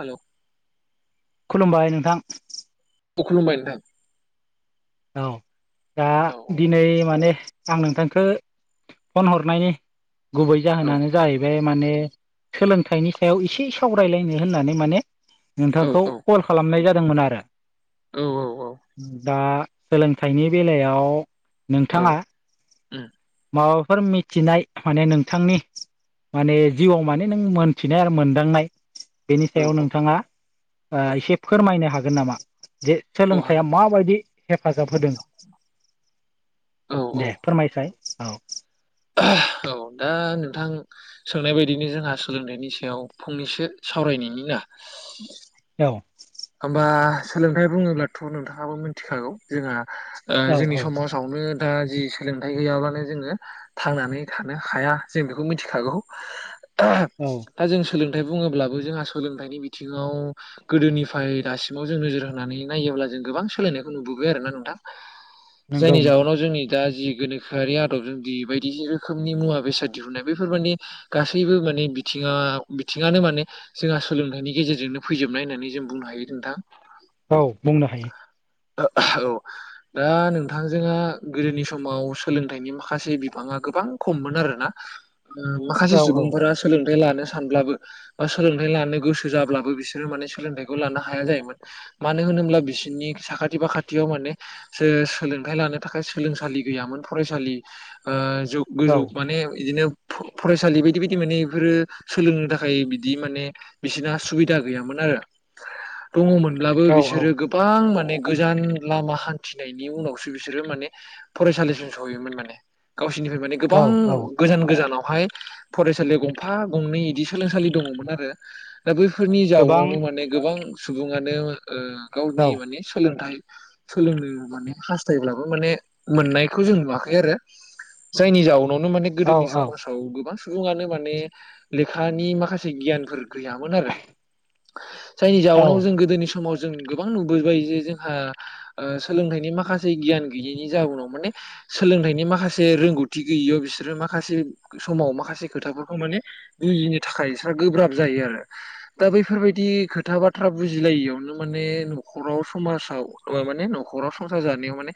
हेल' खुलुमबाय नोंथां खुलुमबाय नोंथां - औ, दा, दिनै माने - आं नोंथांखो, फन हरनायनि गुबै औ जाहोनानो जाहैबाय - माने, सोलोंथाइनि सायाव एसे सावरायलायनो होननानै माने- औ नोंथांखौ औ कल खालामनाय जादोंमोन आरो औ औ दा सोलोंथाइनि बेलायाव, औ नोंथाङा- उम माबाफोर मिथिनाय, माने नोंथां नि, माने जिउआव माने नों मोनथिनाय आरो मोनदांनाय, बेनि औ सायाव नोंथाङा- ओ, औ एसे फोरमायनो हागोन नामा बे औ सोलोंथाइया हागोन माबायदि- हेफाजाब होदों, औ औ दे फोरमायसाय- औ - औ दा, नोंथां सोंनाय बायदिनो जोंहा सोलोंथाइनि सायाव फंनैसो सावरायनायनि ना [inaudible] औ होमबा, सोलोंथायाइ बुङोब्लाथ' नोंथाङाबो मिथिखागौ। जोंहा- ओ, औ जोंनि औ समाजावनो- ओ जि सोलोंथायाइ गैयाब्लानो जोङो, थांनानै थानो हाया, जों बेखौ मिथिखागौ। औ दा जों सोलोंथाइ बुङोब्लाबो जोंहा सोलोंथाइनि बिथिङाव गोदोनि [unintelligible] उफाय, दासिमाव जों नोजोर होनानै नायोब्ला, जों गोबां सोलायनायखौ नुबोबाय आरो ना नोंथां। नंगौ जायनि नंगौ जाहोनाव जोंनि [inaudible] दा जि गोनोखोआि आदबजों जि बायदि रोखोमनि मुवा बेसाद दिहुनाय बेफोर मकनि गासैबो मनि बि बिथिङा, बिथिङानो माने जोंहा सोलोंथाइनि गेजेरजोंनो फैजोबनाय होननानै जों- बुंनो हायो नोंथां। औ बुंनो हायो। ओ औ, दा नोंथांजोंहा गोदोनि समाव सोलोंथाइनि माखासे बिफाङा- गोबां खम मोन आरोना, माखासे औ सुबुंफोरा सोलोंनो लानो सानब्लाबो, बा सोलोंथाइ लानो गोसो जाब्लाबो बिसोरो माने सोंथाइख [unintelligible] हाया जाहैयबाय, मानो होनोब्ला बिसोरनि साखाथि फाखाथियाव माने, सो सोलोंथाइ लानो [inaudible] थाखाय सोलोंसालि गैयामोन, फरायसालि औ ओ, [inaudible] माने बिदिनो [inaudible] फरायसालि बायदि बायदि माने बेफोरो सोलोंनो थाखाय बिदि माने बिसोरना सुबिदा गैयामोन आरो - दङमोनब्लाबो औ बिसोरो गोबां माने - गोजान, लामा हान्थिनायनि उनावसो बिसोरो माने, फरायसालिसिम सहैयोमोन माने, गावसोरनिफ्राय माने औ गोबां, औ गोजान गोजानाव- [inaudible] फरायसालियाव गंफा गंनै इदि सोलोंसालि दङमोन आरो- दा बैफोरनि गोबां जाउनावनो माने, - [inaudible] सुबङानो ओ, औ गावनि माने सोलोंथाइ। सोलोंनो माने हास्थायब्लाबो माने, मोननायखौ जों नुवाखै आरो- जायनि जाउनावनो माने औ गोदोनि औ समाजाव, गोबां [inaudible] [inaudible] माने, लेखानि माखासे गियानफोर गैयामोन आरो [inaudible] जायनि औ जाउनाव जों गोदोनि समाव- जों गोबां नुबोबाय जे जोंहा ओ, सोलोंथाइनि माखासे गियान गैयैनि जाउनाव माने- सोलोंथाइनि माखासे रोंगौथि गैयियाव बिसोरो माखासे समाव माखासे खोथाफोरखौ माने बुजिनो थाखाय सा गोब्राब जायो आरो दा बैफोरबायाददि खोथ खोथा बाथ्रा बुजिलायियावनो माने न'खराव समाजाव माने न'खराव संसार जानायाव माने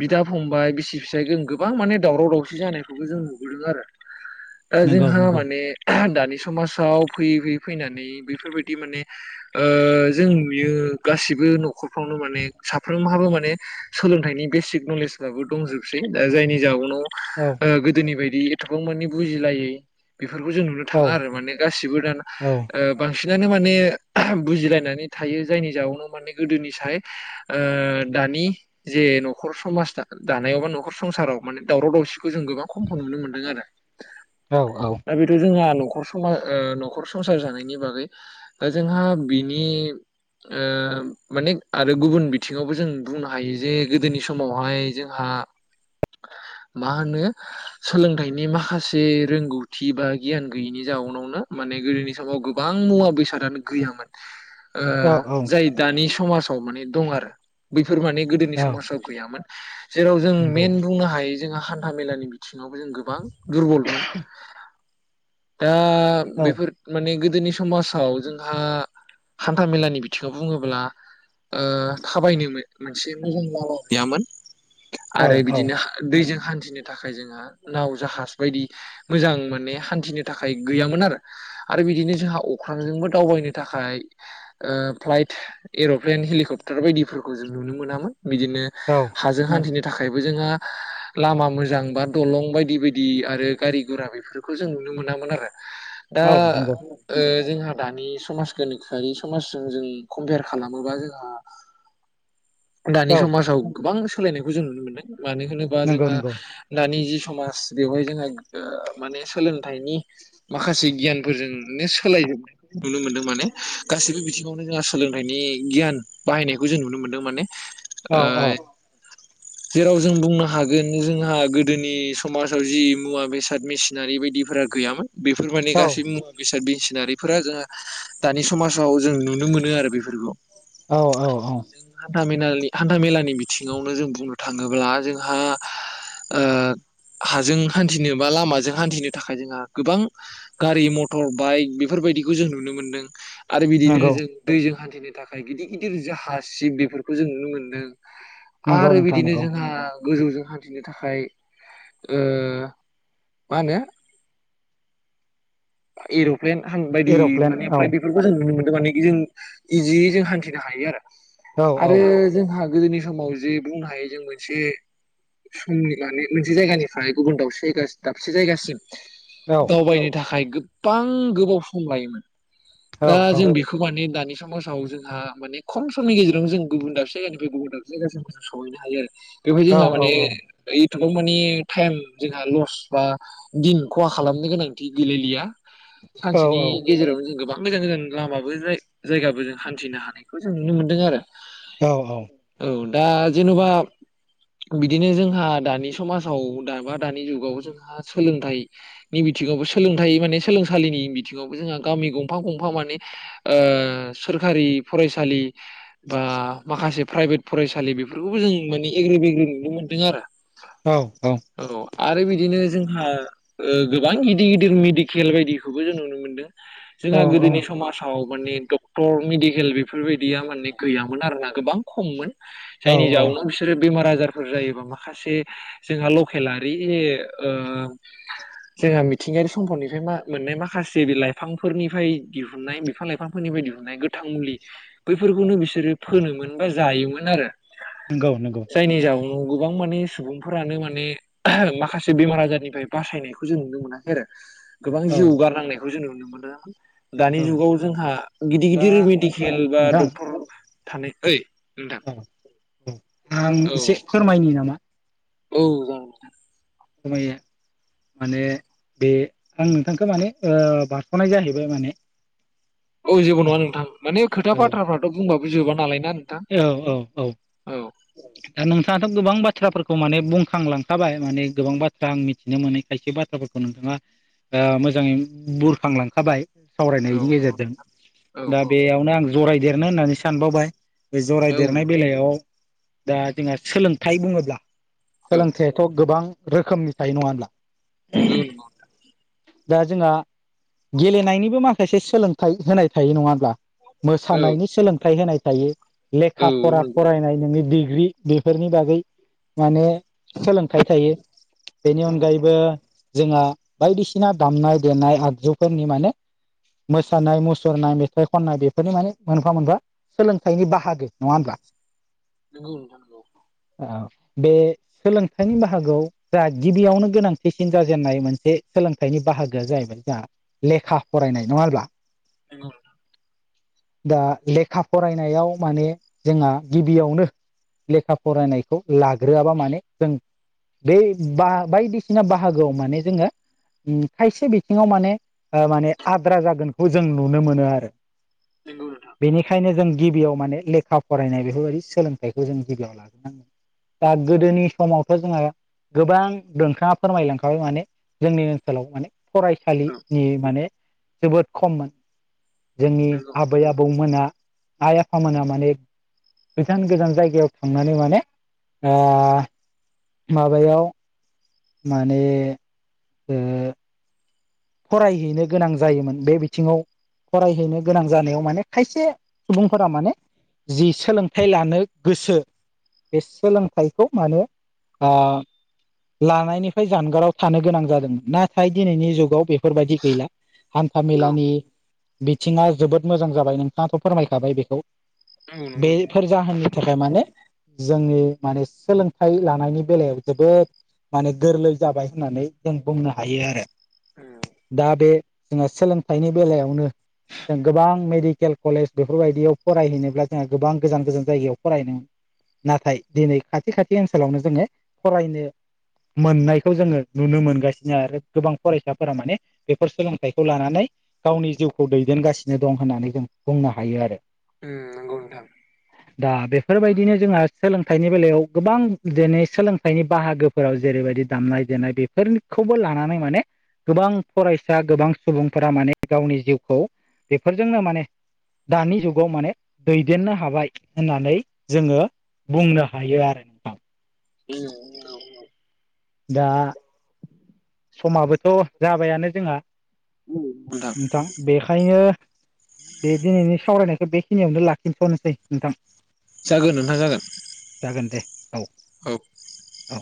बिदा फंबाय बिसि फिसाय जों गोबां माने दावराव दावसि जानायबो जों नुबोदों आरो। [unintelligible] दा जोंहा नंगौ माने दानि समाजाव फैयै फैयै फैनानै बेफोरबायदि माने ओ जों नुयो गासिबो न'खरफ्रावनो माने साफ्रोमहाबो माने सोलोंथाइनि बेसिक नलेजफ्राबो दंजोबसै दा जायनि जाउनाव ओ औ गोदोनि बायदि एथ'बां मानि बुजिलायै बेफोरखौ जों नुनो औ थाङा आरो माने गासिबो दान औ ओ बांसिनानो माने बुजिलायनानै थायो जायनि जाउोनाव माने गोदोनि साय ओ दानि जे ए न'खर समाज दानायाव बा न'खर संसाराव माने दावराव दावसिखौ जों गोबां खमखौ नुनो मोनदों आरो। दा बेथ' जोंहा न'खर समा ओ न'खर संसार जानायनि बागै ओ जोंहा बिनि ओ मानेक आरो गुबुन बिथिङावबो जों बुंनो हायो जे गोदोनि समावहाय जोंहा [unintelligible] मा होनो सोलोंथाइनि माखासे रोंगौथि बा गियान गैयिनि जाउनावनो मान नै गोदोनि समाव गोबां मुवा बेसादानो गैयोमोन ओ औ जाय दानि समाजाव माने दं आरो बै फोर माने गोदोनि औ समाजाव गैयामोन जेराव जों नंगौ मेन बुंनो हायो जोंहा हान्था मेलानि मिथि सिङावबो जों गोबां दुरबलमोन। दा औ बेफोर माने गोद दैनि समासाव जोंहा हान्था मेलानि बिथिङाव बुङोब्ला ओ खाबायनोमोन मोनसे मह' मल' गैयामोन औ आरो औ बिदिनो दैजों हान थिनो थाखाय जोंहा नाव जाहाज बायदि मोजां माने हान्थिनो थाखाय गैयामोन आरो आरो बिदिनो जोंहा अख्रांजोंबो दावबायनो थाखाय ओ फ्लाइट एर'प्लेन हेलिकप्टार बायदिफोरखौ जों नुनो मोनामोन बिदिनो हाजों हान्थिनो थाखायबो जोंहा लामा मोजां बा दलं बायदि बायदि आरो गारि गरा बेफोरखौ जों नुनो मोनामोन आरो दा औ नंगौ ओ जोंहा दानि समाज गोनोखोआरि समाजजों जों कम्पेयार खालामोबा जोंहा [unintelligible] औ दानि समाजाव गोबां सोलायनायखौ जों नुनो मोनदों मानो होनोबा नंगौ जोंहा नंगौ दानि जि समाज बेवहाय जोंहा ओ माने सोलोंथाइनि माखासे गियानफोरजोंनो सोलाय [unintelligible] नुनो मोन्दों माने गासैबो बिथिङावनो जोंहा सोलोंथाइनि गियान बाहायनायखौ जों नुनो मोन्दों माने औ औ। ओ जेराव जों बुंनो हागोन जोंहा गोदोनि समाजाव जि मुवा बेसाद मेसिनारि बायद इफोरा गैयामोन बेफोर माने औ गासै मुवा बेसाद बेस थिनारिफोरा जोंहा दानि समाजाव जों नुनो मोनो आरो बेफोरखौ। औ औ औ। हा मेनालनि हान्था मेलानि बिथिङावनो जों बुंनो थाङोब्ला जोंहा ओ हाजों हान्थिनो बा लामाजों हान्थिनो थाखाय जोंहा गोबां गारि मथर बाइक बेफ बेफोरबायदिखौ जों नुनो मोनदों आरो बिदिनो नंगौ जों दैजों हान्थिनो थाखाय गिदिर गिदिर जाह सिब बेफोरखौ जों नुनो मोन्दों नंगौ आरो नोंथां बिदिनो नंगौ जोंहा गोजौजों हान्थिनो थाखाय ओ मा नो एर'प्लेन बायदि एर'प्लेन माने औ फ्लाइट बेफोरखौ जों नुनो मोन बेमानि जों इजि जों हान्थिनो हायो आरो औ औ आरो जोंहा गोदोनि समाव जे बुंनो हायो जों मोनसे समनि माने मोनसे जायगानिफ्राय गुबुन दावसे जायगा दाबसे जायगासिम औ दावबायनो थाखाय गोबां गोबाव सम लायोमोन। औ दा जों बेखौ मानि दानि दानि समाजाव जोंहा माने खम समनि गेजेरजों जों गुबुन दाब जायगानिफ्राय गुबुन दाब जायगासिम जों सहैनो हायो आरो। बेवहाय औ जोंहा माने ओय माने टाइम जोंहा लस बा दिन खहा खालामनो गोनांथि गैेलायलिया। औ सानसेनि गेजेरावनो जों गोब गोजान गोजान लामाबो जाय जायगाबो जों हान्थिनो हानायखौ जों नुनो मोन्दों आरो। औ औ औ दा जेनबा बिदिनो जोंहा दानि समाजाव दा दानि जुगाव जोंहा सोलोंथाइ बिथिङावबो सोलोंथ माने सोलोंसालिनि बिथिावबो जों गामि गं फां गफां माने ओ सोरखारि फसालि बा माखासे फ्राय इभेट फरायसालि बेफोरखौबो जों माने एग्रि बेग्रि नुनो मोन्दों आरो। औ आरो बिदिनो जोंहा ओ गोबां गिदिर गिदिर मेडिकेल बायदिखौबो जों नुनो मोनदों। जोंहा गोदोनि समाजाव माने डक्टर मेडिकेल बेफोरबायदिया माने गैयामोन आर ना गोबां खममोन। औ जायनि औ जाउनाव बिसोरो बेमार आजारफोर जायोबा माखासे जोंहा लकेल आरि ओ जोंहा मिथिंगायारि सम्पदनिफ्राया मोननाय माखासे बे लाइफां फोरनिफ्राय दिहुननाय बिफां लाइफांफोरनिफ्राय दिहुननाय गोथां मुलि बैफोरखौनो बिसोरो फोनोमोन। बा जायोमोन आरो। नंगौ नंगौ जायनि जउनोाव गोबां माने सुबुंफोरानो माने माखासे बेमार आजारनिफ्राय बासायनायखौ जों नुनो मोनाखै आरो। गोबां औ जिउ गारनांनायखौ जों नुनो मोनदों। दानि औ जुगाव जोंहा गिदिर दा गिदिर मेडिकेल बा नोंथां डक्टर थानाय ओइ नोंथां। औ औ आं औ एसे फोरमायनि नामा? औ जागोनदे। खमाया माने बे आं नोंथांखो माने ओ बारसनाय जाहैबाय माने औ जेबो नङा नोंथां माने खोथा औ बाथ्राफ्राथ बुंबाबो जोबा नालाय ना नोंथां औ औ औ औ दा नोंथाङाथ गोबां बाथ्रा बाथ्राफोरखौ माने बुंखांलांखाबाय माने गोबां बाथ्रा आं मिथिनो मोनै खायसे बाथ्राफोरखौ नोंथाङा ओ मोजाङै बुरखांलांखाबाय औ सावरायनायनि नंगौ गेजेरजों औ दा औ बेयावनो आं जरायदेरनो होननानै सानबावबाय बे औ जरायदेरनाय बेलायाव दा जोंहा सोलोंथाइ बुङोब्ला औ सोलोंथाइाथ गोबां रोखोमनि थायो नङा होनब्ला? नोंगौ नोंथां। दा जोंहा गेलेनायनिबो माखासे सोलोंथाइ होनाय थायो नङा होनब्ला? औ मोसानायनि सोलोंथाइ होनाय थायो औ लेखा फरा नंगौ फरायनाय नोनि डि ग्रि बेफोरनि बागै माने सोलोंथाइ थायो बेनि औ औ अनगायैबो जोंहा बायदिसिना दामनाय देनाय आगजुफोरनि माने मोसानाय-मुसुरनाय, मेथाइ खननाय बेफोरनि माने मोनफा मोनफा सोलोंथाइनि बाहागो नङा होमब्ला? नोंगौ नोंथां नोंगौ। ओ बे सोलोंथाइनि बाहागोआव जा गिबियावनो गोनांथिसिन जाजेननाय मोनसे सोलोंथाइनि बाहागोआ जाहैबाय जोंहा लेखा फरायनाय नङा होनब्ला? नोंगौ नोंथां। दा लेखा फरायनायाव माने जोंहा गिबियावनो लेखा फरायनायखौ लाग्रोआबा माने जों बे बा बायदिसिना बाहागोआव माने जोङो खायसे बिथिङाव माने माने आद्रा जागोनखौ जों नुनो मोनो आरो। नंगौ नंगौ नोंथां बेनिखायनो जों गिबियाव माने ले खा फरायनाय बेफोरबायदि सोलोंथाइखौ जों गिबियाव लाग्रांगोन दा गोदोनि समावथ' जोंहा गोबां दोंखा फोरमायलांखाबाय माने जोंनि ओनसोलाव माने औ फरायसालिनि माने जोबोद खममोन। जोंनि नंगौ नंगौ आबै आबौमोना आइ आफामोना माने गोजान गोजान जायगायाव थांनानै माने ओ माबायाव माने ओ फरायहैनो गोनां जायोमोन बे बिथिङाव फरायहैनो गोनां जानायाव माने खायसे सुबुंफोरा माने जि सोलोंथाइ लानो गोसो बे सोलोंथाइखौ माने ओ लानायनिफ्राय जानगाराव थानो गोनां जादोंमोन। नाथाय दिनैनि जुगाव बेफोरबायदि गैला हान्था औ मेलानि बिथिङा जोबोद मोजां जाबाय नोंथाङाथ' फोरमायखाबाय बेखौ नंगौ नोंथां बेफोर जाहोननि थाखाय माने जोंनि माने सोलोंथाइ लानायनि बेलायाव जोबोद माने गोरलै जाबाय होननानै जों बुंनो हायो आरो। औ दा बे जोंहा सोलोंथाइनि बेलायावनो जों गोबां मेडिकेल कलेज बेफोरबायदियाव फरायहैनोब्ला जोंहा गोबां गोजान गोजान जायगायाव फरायनो नाथाय दिनै खाथि खाथि ओनसोलावनो जोङो फरायनो मोननायखौ जोङो नुनो मोनगासिनो आरो गोबां फरायसा फोरा माने बेफोर सोलोंथाइखौ लानानै गावनि जिउखौ दैदेनगासिनो दं होननानै जों बुंनो हायो आरो। नंगौ नोंथां दा बेफोरबा दिनो जोंहा सोलोंथाइनि बेलायाव गोबां दिनै सोलोंथाइनि बाहागोफोराव जेरैबायदि दामनाय देनाय बेफोरखौबो लानानै माने गोबां फरायसा गोबां सुबुंफोरा माने गावनि जिउखौ बेफोरजोंनो माने दानि जुगाव माने दैदेननो हाबाय होननानै जोङो बुंनो हायो आरो नोंथां। औ औ दा समाबोथ' जाबायानो जोंहा नोंथां बेखायनो बे दिनैनि सावरायनायखौ बेखिनियावनो लाखिनथ'नोसै नोंथां। जागोन नोंथां जागोन। जागोन दे औ औ औ